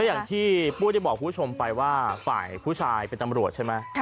อย่างที่ปุ้ยได้บอกคุณผู้ชมไปว่าฝ่ายผู้ชายเป็นตำรวจใช่ไหม